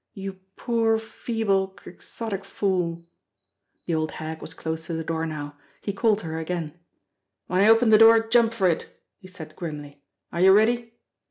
You poor, feeble, quixotic fool!" The old hag was close to the door now. He called to her again. "When I open the door, jump for it!" he said grimly. "Are you ready?"